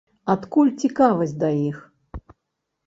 Адкуль цікавасць да іх?